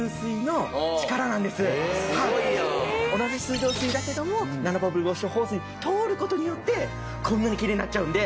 同じ水道水だけどもナノバブルウォッシュホースを通る事によってこんなにきれいになっちゃうんで。